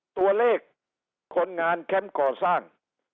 ตัวเลขคนงานแคมป์ก่อสร้าง